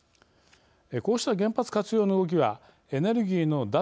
こうした原発活用の動きはエネルギーの脱